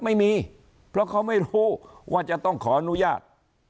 ไม่มีเพราะเขาไม่รู้ว่าจะต้องขออนุญาต